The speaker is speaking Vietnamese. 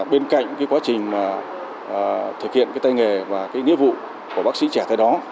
bên cạnh quá trình thực hiện tay nghề và nhiệm vụ của bác sĩ trẻ thời đó